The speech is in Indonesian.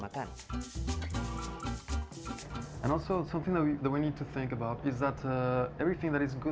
jadi kita akan mencoba untuk mengucapkan kekuasaan yang benar dan jelas